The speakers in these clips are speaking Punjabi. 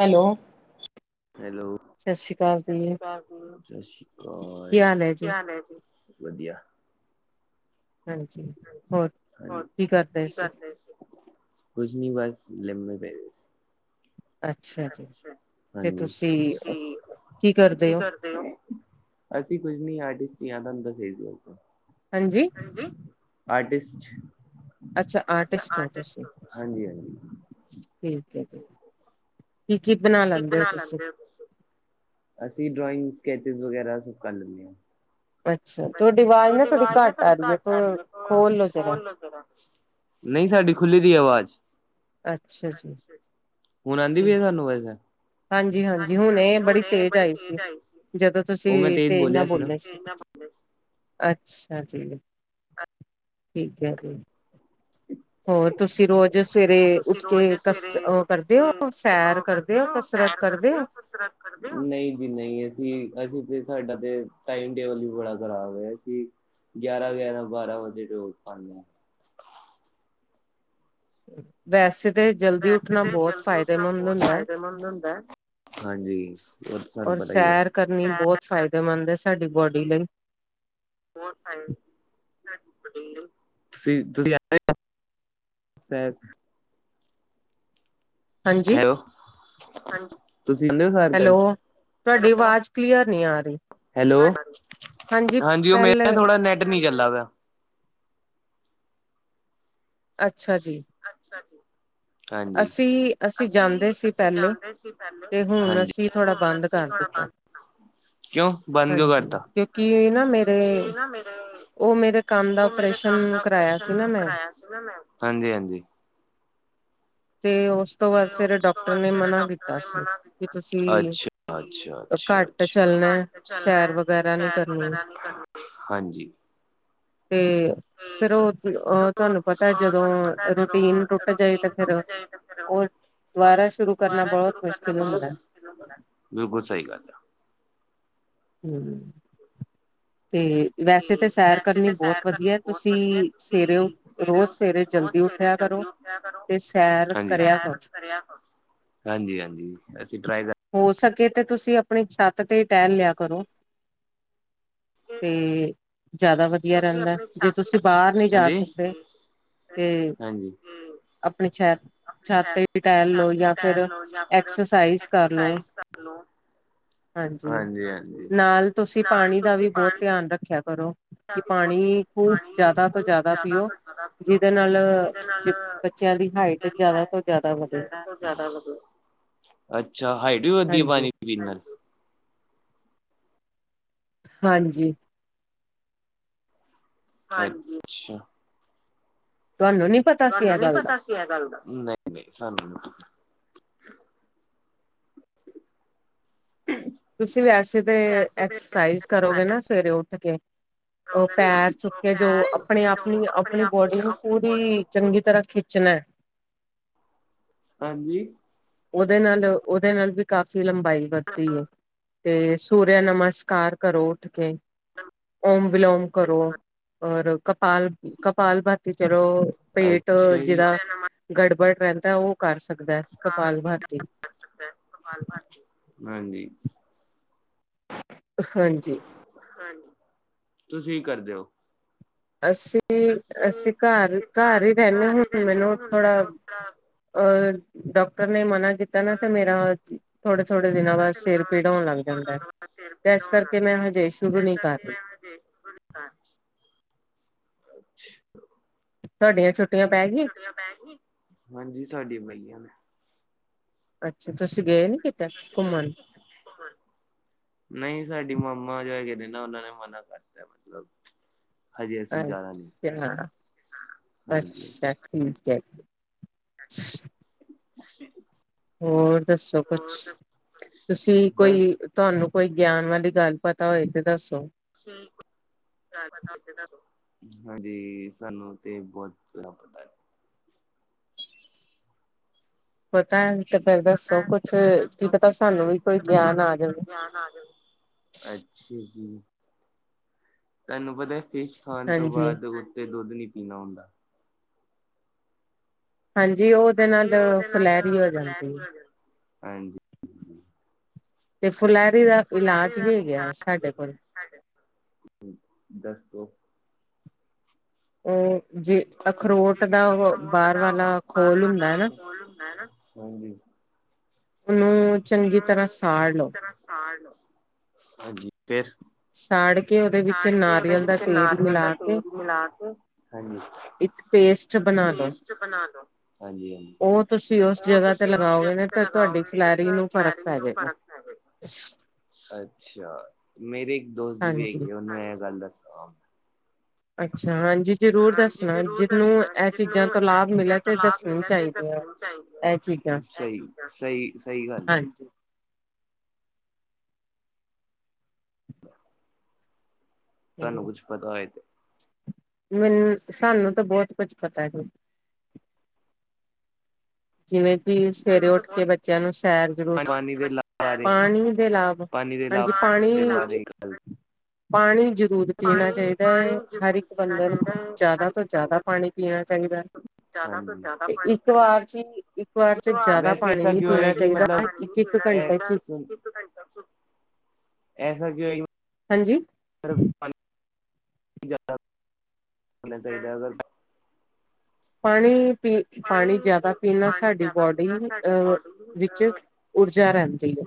ਹੈਲੋ, ਹੈਲੋ ਸਸਰੀ ਅਕਾਲ, ਸਸਰੀ ਅਕਾਲ ਕੀ ਹਾਲ ਹੈ ਜੀ। ਵਧੀਆ। ਹਾਂਜੀ, ਹੋਰ ਕੀ ਕਰਦੇ ਸੀ? ਕੁਛ ਨਹੀਂ ਬਸ ਲੰਮੇ ਪੈ ਰਹੇ ਸੀ। ਅੱਛਾ ਜੀ, ਹਾਂਜੀ ਤੁਸੀ ਕੀ ਕਰਦੇ ਓ, ਅਸੀਂ ਕੁਝ ਨੀ ਆ ਤੁਸੀਂ ਆਹ ਕੀ ਆਂਦਾ ਹੁੰਦਾ ਸੇਲ [inaudible] ਹਾਂਜੀ, ਆਰਟਿਸਟ ਅੱਛਾ ਆਰਟਿਸਟ ਓ ਤੁਸੀਂ, ਠੀਕ ਹੈ ਜੀ। ਕੀ ਬਣਾ ਲੈਂਦੇ ਹੋ ਤੁਸੀਂ, ਅਸੀਂ ਡਰਾਇੰਗਸ ਕੈਤੀਸ ਵਗੈਰਾ ਸਭ ਕਰ ਲੈਨੇ ਆ ਅੱਛਾ ਤੁਹਾਡੀ ਅਵਾਜ਼ ਨਾ ਥੋੜੀ ਘੱਟ ਆ ਰਹੀ ਹੈ, ਥੋ ਖੋਲ ਲੋੋ ਜਰਾ ਨਹੀਂ ਸਾਡੀ ਖੁੱਲੀ ਦੀਆ ਆਵਾਜ਼ ਅੱਛਾ ਜੀ, ਹੁਣ ਆਉਂਦੀ ਪਈ ਤਾਨੂੰ ਅਵਾਜ ਹਾਂਜੀ- ਹਾਂਜੀ ਹੁਣੇ ਇਹ ਬੜੀ ਤੇਜ਼ ਆਈ ਸੀ, ਜਦੋਂ ਤੁਸੀਂ ਤੇਜ਼ ਨਾਲ ਬੋਲੇ ਸੀ ਅੱਛ ਐ ਜੀਵਤ ਠੀਕ ਕਿਹਾ ਜੇ ਉਹ ਤੁਸੀਂ ਰੋਜ਼ ਸਵੇਰੇ ਉ ਕਰਦੇ ਹੋ ਸੈਰ ਕਰਦੇ ਹੋ, ਕਸਰਤ ਕਰਦੇ ਹੋ ਨਹੀਂ ਜੀ ਨਹੀਂ ਅਸੀਂ- ਅਸੀਂ ਤੇ ਸਾਡਾ ਤੇ ਟਾਈਮ ਟੇਬਲ ਵੀ ਬੜਾ ਖ਼ਰਾਬ ਹੈ, ਕਿ ਗਿਆਰਾਂ- ਗਿਆਰਾਂ ਬਾਰਾਂ ਵਜੇ ਤਾਂ ਉੱਠ ਪਾਨੇ ਆਂ। [unintelligible] ਵੈਸੇ ਤ ਵੈਸੇ ਤੇ ਜਲਦੀ ਉੱਠਣਾ ਬਹੁਤ ਫਾਇਦੇਮੰਦ ਹੁੰਦਾ, ਹਾਂਜੀ ਉਹ ਤਾਂ ਸਾਨੂੰ ਪਤਾ ਈ ਐ ਸੈਰ ਕਰਨੀ ਬਹੁਤ ਫਾ ਤੁਸੀਂ ਤੁਸੀਂ ਆ ਰੇ ਹੋ ਸੈਰ ਹਾਂਜੀ, ਹਾਂਜੀ, ਤੁਸੀਂ ਜਾਂਦੇ ਓ ਸਾਰਟਲ, ਹੈਲੋ- ਹੈਲੋ ਹਾਂਜੀ ਉਹ ਮੈ ਨਾ ਥੋੜਾ ਨੈਟ ਨੀ ਚੱਲਾ ਵਾ ਅੱਛਾ ਜੀ ਅਸੀਂ- ਅਸੀਂ ਜਾਂਦੇ ਸੀ, ਪਹਿਲੇ ਤੇ ਹੁਣ ਅਸੀਂ ਥੋੜਾ ਬੰਦ ਕਰ ਦਿੱਤਾ, ਹਾਂਜੀ ਕਿਉਂਕਿ ਇਹ ਨਾ ਉਹ ਮੇਰੇ ਉਹ ਮੇਰੇ ਕੰਨ ਦਾ ਆਪਰੇਸ਼ਨ ਕਰਾਇਆ ਸੀ ਨਾ ਮੈਂ ਹੂੰ ਸੁਬੇ ਮੈਮ ਹਾਂਜੀ- ਹਾਂਜੀ। ਤੇ ਉਸ ਤੋਂ ਬਾਅਦ ਫਿਰ ਡਾਕਟਰ ਨੇ ਮਨਾ ਕੀਤਾ ਸੀ, ਅੱਛਾ- ਅੱਛਾ ਘੱਟ ਚਲਣਾ ਸੈਰ ਵਗੈਰਾ ਨਹੀਂ ਕਰਨੀ, ਹਾਂਜੀ। ਤੇ ਫਿਰ ਉਹ ਜੀ ਓ ਆਂ ਤੁਹਾਨੂੰ ਪਤਾ ਏ ਜਦੋਂ ਰੁਟੀਨ ਟੁੱਟ ਜਾਏ ਤੇ ਫੇਰ ਉਹ ਦੁਬਾਰਾ ਸ਼ੁਰੂ ਕਰਨਾ ਬਹੁਤ ਮੁਸ਼ਕਿਲ ਹੁੰਦਾ। ਬਿਲਕੁਲ ਸਹੀ ਗੱਲ ਆ। [inaudible] ਵੈਸੇ ਤੇ ਸੈਰ ਕਰਨੀ ਬੋਤ ਵਦੀਆ ਤੁਸੀ ਸਵੇਰੇ ਰੋਜ ਸਵੇਰੇ ਜਲਦੀ ਉਠਿਆ ਕਰੋ ਸੈਰ ਕਰਿਆ ਕਰੋ ਹਾਂਜੀ ਹਾਂਜੀ ਅਸੀ ਟ੍ਰਾਈ ਕਰ ਤੇ ਤੁਸੀਂ ਆਪਣੀ ਛੱਤ ਤੇ ਟਹਿਲ ਲਿਆ ਕਰੋ ਤੇ ਜ਼ਿਆਦਾ ਵਧੀਆ ਰਹਿੰਦਾ ਏ। ਜੇ ਤੁਸੀਂ ਬਾਹਰ ਨਹੀਂ ਜਾ ਸਕਦੇ ਤੇ ਆਪਣੀ ਛੱਤ ਛੱਤ ਤੇ ਟਹਿਲ ਲਓ ਯਾਂ ਫੇਰ ਐਕਸਰਸਾਈਜ਼ ਕਰ ਲੋ ਹਾਂਜੀ। ਨਾਲ ਤੁਸੀਂ ਪਾਣੀ ਦਾ ਵੀ ਬਹੁਤ ਧਿਆਨ ਰੱਖਿਆ ਕਰੋ। [unintelligible] ਅੱਛਾ ਹਾਈਟ ਵੀ ਵਧਦੀ ਹੈ ਪਾਣੀ ਪੀਣ ਨਾਲ। ਹਾਂਜੀ। ਹਾਂਜੀ ਅੱਛਾ ਤੁਹਾਨੂੰ ਨੀ ਪਤਾ ਸੀ ਇਹ ਗੱਲ ਦਾ ਨਹੀਂ ਨਹੀਂ ਸਾਨੂੰ ਨੀ ਪਤਾ। ਤੁਸੀ ਵੈਸੇ ਤੇ ਐਕਸਰਸਾਈਜ਼ ਕਰੋਗੇ ਨਾ ਸਵੇਰੇ ਉਠ ਕੇ, ਪੈਰ ਚੁੱਕ ਕੇ ਜੋ ਆਪਣੀ ਆਪਣੀ ਆਪਣੀ ਬੋਡੀ ਨੂੰ ਪੂਰੀ ਚੰਗੀ ਤਰ੍ਹਾਂ ਖਿੱਚਣਾ ਐ। ਹਾਂਜੀ। ਉਹਦੇ ਨਾਲ ਉਹਦੇ ਨਾਲ ਵੀ ਕਾਫ਼ੀ ਲੰਬਾਈ ਵੱਧਦੀ ਹੈ ਤੇ ਸੂਰਿਆ ਨਮਸਕਾਰ ਕਰੋ ਉਠ ਕੇ ਓਮ ਵਿਲੋਮ ਕਰੋ ਔਰ ਕਪਾਲ ਕਪਾਲ ਭਾਤੀ ਚ ਪੇਟ ਜਿਦਾ ਗੜਬੜ ਪੈਂਦਾ ਉਹ ਕਰ ਸਕਦਾ ਐ। [unintelligible] ਕਪਾਲ ਭਾਤੀ ਹਾਂਜੀ। ਹਾਂਜੀ। ਤੁਸੀ ਕਰਦੇ ਹੋ। ਅਸੀ ਅਸੀ ਘਰ ਘਰ ਹੀ ਰਹਿੰਨੇ ਹੁਣ ਮੈਨੂੰ ਥੋੜਾ ਅ ਡੋਕ ਕਲੇ ਮਨਾ ਕੀਤਾ ਨਾ ਤੇ ਮੇਰਾ ਥੋੜੇ ਥੋੜੇ ਦਿਨਾਂ ਬਾਦ ਸਿਰ ਪੀੜ ਹੋਣ ਲੱਗ ਜਾਂਦਾ ਹੈ ਤੇ ਇਸ ਕਰਕੇ ਮੈਂ ਹਜੇ ਸ਼ੁਰੂ ਨਹੀ ਕਰ ਰਹੀ। ਅੱਛਾ। ਤੁਹਾਡੇ [unintelligible] ਛੁਟਿਆ ਪੈ ਗਈ। ਹਾਂਜੀ ਸਾਡੀ ਪਈਆਂ ਨੇ। ਅੱਛਾ ਤੁਸੀਂ ਗਏ ਨੀ। ਨਹੀਂ ਸਾਡੀ ਮਮਾ ਜੇ ਕਿਦੇ ਉਹਨਾਂ ਨੇ ਮਨਾ ਕਰਤਾ ਮਤਲਬ ਅੱਛਾ-ਅੱਛਾ ਠੀਕ ਹੈ ਜੀ ਹੋਰ ਦੱਸੋ ਕੁਛ ਤੁਸੀਂ ਕੋਈ ਤੁਹਾਨੂੰ ਕੋਈ ਗਿਆਨ ਵਾਲੀ ਗੱਲ ਪਤਾ ਹੋਏ ਤੇ ਦੱਸੋ [unintelligible] ਹਾਂਜੀ, ਸਾਨੂੰ ਤੇ ਬਹੁਤ ਪਤਾ ਪਤਾ ਪਤਾ ਤੇ ਫਿਰ ਦੱਸੋ ਕੁਛ ਕੀ ਪਤਾ ਸਾਨੂੰ ਵੀ ਕੋਈ ਗਿਆਨ ਆ ਜਾਵੇ, ਅੱਛਾ ਜੀ ਤੇਹਨੂੰ ਪਤਾ ਫਿਸ਼ ਖਾਣ ਤੋਂ ਬਾਅਦ ਉੱਤੇ ਦੁੱਧ ਨੀ ਪੀਣਾ ਹੁੰਦਾ ਹਾਂਜੀ ਉਹ ਉਹਦੇ ਨਾਲ ਫਲੈਰੀ ਹੋ ਜਾਂਦੀ ਆ ਫੁਲੈਰੀ ਦਾ ਇਲਾਜ ਵੀ ਹੈਗਾ ਸਾਡੇ ਕੋਲ, ਦੱਸ ਦੋ ਔ ਜੇ ਅਖਰੋਟ ਦਾ ਉਹ ਬਾਹਰ ਵਾਲਾ ਖੋਲ ਹੁੰਦਾ ਹੈ ਨਾ ਹਾਂਜੀ ਉਹਨੂੰ ਚੰਗੀ ਤਰ੍ਹਾਂ ਸਾੜ ਲਓ ਹਾਂਜੀ ਫੇਰ ਸਾੜ ਕੇ ਉਹਦੇ ਵਿੱਚ ਨਾਰੀਅਲ ਦਾ ਤੇਲ ਮਿਲਾ ਕੇ, ਹਾਂਜੀ ਪੇਸਟ ਬਣਾ ਲੋ ਹਾਂਜੀ ਓ ਤੁਸੀਂ ਉਸ ਜਗ੍ਹਾ ਤੇ ਲਗਾਓਗੇ ਨਾ ਤੇ ਤਾ ਫੁਲੈਰੀ ਨੂੰ ਫ਼ਰਕ ਪੈ ਜਾਏਗਾ, ਅੱਛਾ ਮੇਰੀ ਇੱਕ ਦੋਸਤ ਵੀ ਹੈਗੀ ਆ ਉਹਨੂੰ ਇਹ ਗੱਲ ਦੱਸਾਂ ਅੱਛਾ ਹਾਂਜੀ ਹਾਂਜੀ, ਜ਼ਰੂਰ ਦੱਸਣਾ ਜਿਹਨੂੰ ਇਹ ਚੀਜ਼ਾਂ ਤੋਂ ਲਾਭ ਮਿਲਿਆ ਤੇ ਦੱਸਣੀ ਚਾਹੀਦੀ ਹੈ, ਸਹੀ-ਸਹੀ ਗੱਲ ਹੈ ਤੁਹਾਨੂੰ ਕੁੱਛ ਪਤਾ ਹੋਏ ਤੇ ਮੈਨੂੰ ਸਾਨੂੰ ਤਾਂ ਬਹੁਤ ਕੁੱਛ ਪਤਾ ਹੈ ਜਿਵੇਂ ਕਿ ਸਵੇਰੇ ਉੱਠ ਕੇ ਬੱਚਿਆਂ ਨੂੰ ਸੈਰ ਜ਼ਰੂਰ ਪਾਣੀ ਦੇ ਲਾਭ ਹਾਂਜੀ ਪਾਣੀ ਪਾਣੀ ਜ਼ਰੂਰ ਪੀਣਾ ਚਾਹੀਦਾ ਹੈ, ਹਰ ਇੱਕ ਬੰਦੇ ਨੂੰ ਜ਼ਿਆਦਾ ਤੋਂ ਜ਼ਿਆਦਾ ਪਾਣੀ ਪੀਣਾ ਚਾਹੀਦਾ ਹੈ ਤੇ ਇੱਕ ਵਾਰ ਵੈਸੇ ਐਸਾ ਕਿਉ ਹੈ ਕਿ ਮਤਲਬ ਐਸਾ ਕਿ ਹੈ ਹਾਂਜੀ [unintelligible] [unintelligible] ਪਾਣੀ ਪੀ ਪਾਣੀ ਜਿਆਦਾ ਪੀਣਾ ਸਾਡੀ ਬੋਡੀ ਅਹ ਵਿੱਚ ਊਰਜਾ ਰਹਿੰਦੀ ਏ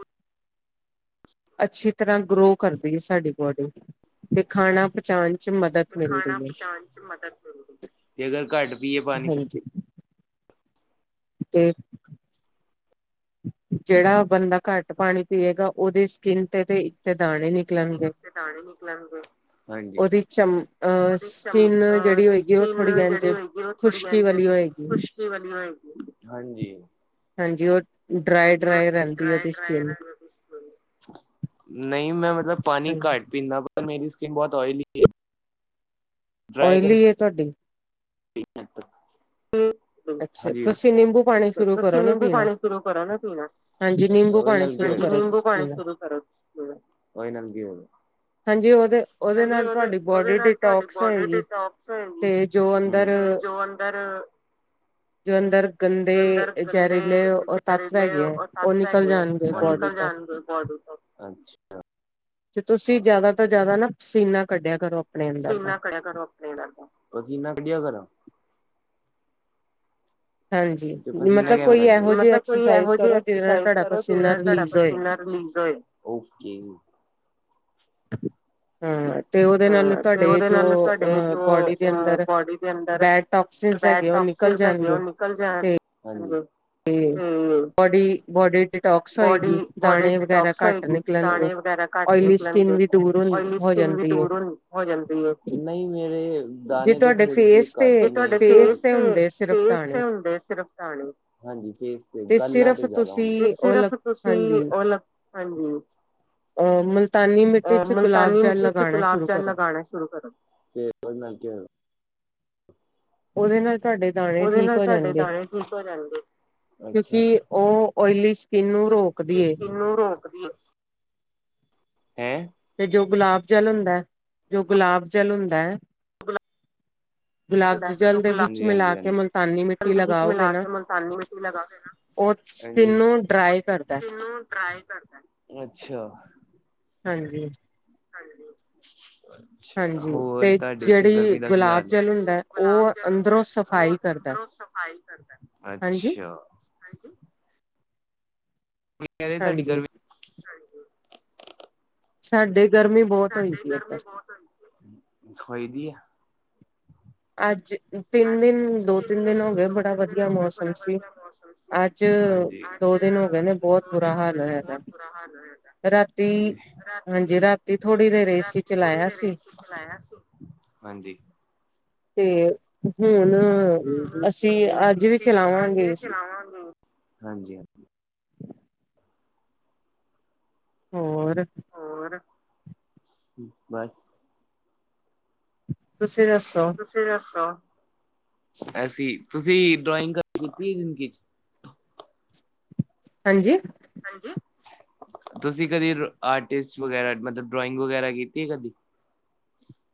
ਅੱਛੀ ਤਰ੍ਹਾਂ ਗਰੋ ਕਰਦੀ ਏ ਸਾਡੀ ਬੋਡੀ ਤੇ ਖਾਣਾ ਪਚਾਣ ਖਾਣਾ ਪਚਾਣ ਚ ਮਦਦ ਮਿਲਦੀ ਏ, ਜੇ ਅਗਰ ਘੱਟ ਪੀਏ ਹਾਂਜੀ। ਤੇ ਜੇੜਾ ਬੰਦਾ ਘੱਟ ਪਾਣੀ ਪੀਏਗਾ, ਔਦੀ ਸਕਿੰਨ ਤੇ ਤੇ ਇੱਕਤੇ ਦਾਣੇ ਨੀ ਇਕਤੇ ਦਾਣੇ ਨਿਕਲਣਗੇ, ਹਾਂਜੀ ਔਦੀ ਚਮ ਸਕਿਨ ਜੇੜੀ ਹੋਏਗੀ ਨਾ, ਓਹ ਥੋੜੀ ਐੰਝ ਖੂਸ਼ਕੀ ਵਾਲੀ ਹੋਏਗੀ, ਹਾਂਜੀ। ਹਾਂਜੀ ਔ ਡਰਾਏ -ਡਰਾਏ ਰੈੰਦੀ ਔਦੀ ਸਕਿੰਨ, ਨਹੀਂ ਮੈਂ ਮਤਲਬ ਪਾਨੀ ਘੱਟ ਪੀਂਦਾ, ਪਰ ਮੇਰੀ ਸ ਸਕਿੰਨ ਬੌਤ ਓਇਲੀ ਐ। ਓਇਲੀ ਏ ਤਾਡੀ ਅਛਾ, ਤੁਸੀਂ ਨਿੰਬੂ ਪਾਣੀ ਸ਼ੁਰੂ ਕਰੋ ਨਾ ਪੀਣਾ, ਅੱਛਾ ਔਦੇ ਨਾਲ ਕੀ ਹੋਏਗਾ, ਹਾਂਜੀ ਨਿੰਬੂ ਪਾਣੀ ਸ਼ੁਰੂ ਕਰੋ ਤੁਸੀ ਪੀਣਾ, ਔਦੇ ਨਾਲ ਕੀ ਹੋਏਗਾ? ਹਾਂਜੀ ਔਦੇ ਔਦੇ ਨਾਲ ਤੁਵਾਡੀ ਬਾੱਡੀ ਡਿਟੋਕਸ ਹੋਏਗੀ। ਹੂੰ, ਤੇ ਜੋ ਅੰਦਰ ਅੰਦਰ ਗੰਦੇ ਜੈਰੀਲੇ ਔ ਤੱਤ ਹੈਗੇ ਐ, ਔ ਨਿਕਲ ਜਾਣਗੇ ਬੋਡੀ ਤੋ। ਤੇ ਤੁਸੀਂ ਜੈਦਾ ਤੋਂ ਜੈਦਾ ਨਾ ਪਸੀਨਾ ਕੱਢਆ ਕਰੋ। ਸੀਨਾ ਕਢਿਆ ਕਰੋ ਆਪਣੇ ਅੰਦਰ ਦਾ, ਪਸੀਨਾ ਕੱਢਿਆ ਕਰਾਂ। ਅੱਛਾ, ਪਸੀਨਾ ਕੈਵੇ ਕੱਢੀ ਦਾ? ਮਤਲਬ ਕੋਈ ਐਹੋ ਜੀ ਐਕਸਰਸਾਈਜ਼ ਕਰੋ ਜਿਦੇ ਨਾਲ ਤਾਡਾ ਪਸੀਨਾ ਰਿਲੀਜ਼ ਹੋਏ, ਓਕੇ। [inaudible] ਹਾਂ, ਤੇ ਔਦੇ ਨਾਲ ਤਾਡੇ ਜੋ ਅ ਬੋਡੀ ਦੇ ਅੰਦਰ ਬੈਡ ਟੋਕਸਿਸ ਹੈਗੇ ਔ ਨਿਕਲ ਜਾਣਗੇ ਤੇ ਤੇ ਬੋਡੀ ਬੋਡੀ ਡਿਟੋਕਸ ਹੋਏਗੀ, ਦਾਣੇ ਵਗੈਰਾ ਘੱਟ ਨਿਕਲਣਗੇ, ਓਇਲੀ ਸਕਿਨ ਵੀ ਦੂਰ ਔਇਲੀ ਸਕਿਨ ਵੀ ਦੂਰ ਹੁਣ ਹੋ ਜਾਂਦੀ ਏ, ਨਹੀਂ ਮੇਰੇ ਦਾਣੇ ਤੇ ਥੋੜੇ ਜੇ ਘਟ ਈਨੇ ਵੀ ਤੁਹਾਡੇ ਫੇਸ ਤੇ ਫੇਸ ਤੇ, ਹੁੰਦੇ ਐ ਸਿਰਫ ਦਾਣੇ? ਹਾਂਜੀ, ਫੇਸ ਤੇ ਗੱਲਾਂ ਤੇ ਜੈਦਾ ਹੁੰਦੇ ਐ, ਤੇ ਸਿਰਫ ਤੁਸੀਂ ਔ ਲਗ--ਹਾਂਜੀ ਅ ਮੁਲ ਤਾਨੀ ਮਿੱਟੀ ਚ ਗੁਲਾਬ ਜਲ ਲਗਾਣਾ ਸ਼ੁਰੂ ਕਰੋ, ਤੇ ਔਦੇ ਨਾਲ ਕੀ ਹੋਏਗਾ? ਔਦੇ ਨਾਲ ਤਾਡੇ ਦਾਣੇ ਠੀਕ ਹੋ ਜਾਣਗੇ, ਕਿਉਂਕਿ ਔ ਔਇਲੀ ਸਿ ਕਿਸ ਕਿਨੂੰ ਰੋਕਦੀ ਏ। ਹੈਂ। ਤੇ ਜੋ ਗੁਲਾਬ ਜਲ ਹੁੰਦੈ ਜੋ ਗੁਲਾਬ ਜ ਜਲ ਹੂੰਦੈ ਹੁੰਦੈ ਜੋ ਗੁਲਾਬ ਜਲ ਹਾਂਜੀ ਹਾਂਜੀ ਹਾਂਜੀ। ਗੁਲਾਬ ਜਜਲ ਦੇ ਵਿੱਚ ਮਿਲਾ ਕੇ ਮੁਲਤਾਨੀ ਮਿੱਟੀ ਲਗਾਓਗੇ ਨਾ, ਹਾਂਜੀ ਔ ਸਕਿੰਨ ਨੂੰ ਡਰਾਈ ਕਰਦੈ, ਅੱਛਾ। ਹਾਂਜੀ। ਹਾਂਜੀ। ਹੋਰ ਤੁਹਾਡੇ ਏਥੇ ਗਰਮੀ ਦਾ ਕੀ ਹਾਲ ਏ [unintelligible] ਅੱਛਾ। ਕੀ ਕਹਿ ਰੇ ਤੁਹਾਡੀ ਗਰਮੀ ਸਾਡੇ ਸਾਡੀ ਗਰਮੀ ਬਹੁਤ ਹੋਈ ਦੀ ਏ [unintelligible] ਹੋਈ ਦੀ ਏ ਅੱਜ ਅੱਜ ਤਿੰਨ ਦਿਨ ਦੋ ਤਿੰਨ ਦਿਨ ਹੋਗੇ ਬੜਾ ਵਧੀਆ ਮੌਸਮ ਸੀ ਹਾਂਜੀ ਅੱਜ ਦੋ ਦਿਨ ਹੋ ਗਏ ਤੇ ਬਹੁਤ ਬੁਰਾ ਹਾਲ ਹੋਇਆ ਦੈ। ਹਾਂਜੀ ਰਾਤੀ ਥੋੜੀ ਦੇਰ ਏਸੀ ਚਲਾਇਆ ਸੀ ਹਾਂਜੀ ਤੇ ਹੁਨ ਅਸੀਂ ਅੱਜ ਵੀ ਚਲਾਵਾਂਗੇ ਏਸੀ ਹੋਰ ਬਸ ਤੁਸ ਤੁਸੀਂ ਦੱਸੋ? ਐਸੀ ਤੁਸੀਂ ਡਰੳਇੰਗ ਕਦੀ ਕੀਤੀ ਐ ਜ਼ਿੰਦਗੀ ਚ? ਹਾਂਜੀ ਤੂਸੀਂ ਕਦੀ ਅਰਟਿਸ਼ਟ ਵਗੈਰਾ ਮਤਲਬ ਡਰੋਇੰਗ ਵਗੈਰਾ ਕੀਤੀ ਕਦੀ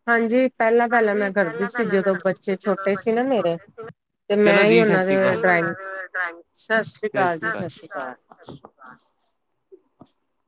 ਹਾਂਜੀ ਹਾਂਜੀ ਪਹਿਲਾਂ-ਪਹਿਲਾਂ ਮੈਂ ਕਰਦੀ ਸੀ ਜਦੋ ਬੱਚੇ ਛੋਟੇ ਸੀ ਨਾਲ [unintelligible]